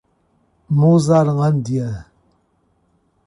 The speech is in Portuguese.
Mozarlândia